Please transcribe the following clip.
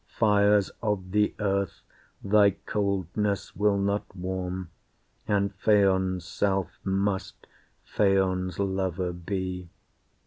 Fires of the earth thy coldness will not warm, And Phaon's self must Phaon's lover be.